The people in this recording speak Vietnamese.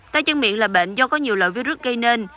tay chân miệng là bệnh do có nhiều lợi virus gây nên